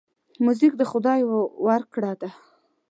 موزیک د خدای ورکړه ده.